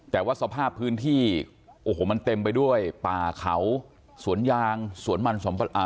แต่ว่าสภาพพื้นที่โอ้โหมันเต็มไปด้วยป่าเขาสวนยางสวนมันสมอ่า